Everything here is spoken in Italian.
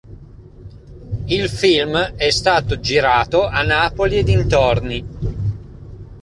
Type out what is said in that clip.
Il film è stato girato a Napoli e dintorni.